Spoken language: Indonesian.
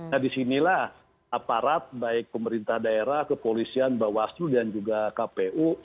nah disinilah aparat baik pemerintah daerah kepolisian bawaslu dan juga kpu